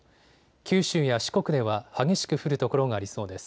九州や四国では激しく降る所がありそうです。